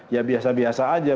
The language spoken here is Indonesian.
ya biasa biasa aja